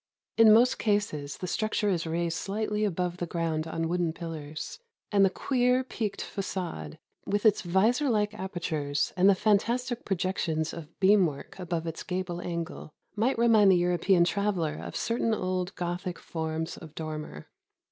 In most cases the structure is raised sUghtly above the ground on wooden pillars; and the queer peaked facade, with its visor like apertures and the fantastic projections of beam work above its gable angle, might remind the European traveler of certain old Gothic forms of dormer.